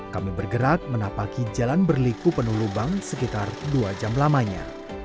kami bergerak menapaki jalan berliku penuh lubang sekitar dua jam lamanya